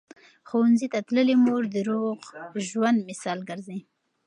ښوونځې تللې مور د روغ ژوند مثال ګرځي.